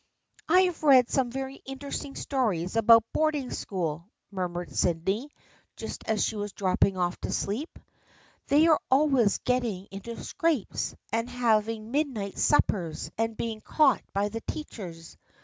" I have read some very interesting stories about boarding school," murmured Sydney, just as she was dropping off to sleep. " They are always get ting into scrapes, and having midnight suppers and being caught by the teachers.